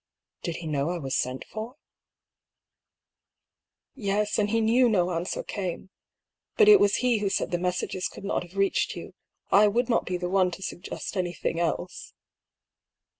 " Did he know I was sent for?" " Yes ; and he knew no answer came. But it was he who said the messages could not have reached you. I would not be the one to suggest anything else."